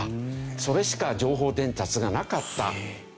それしか情報伝達がなかった。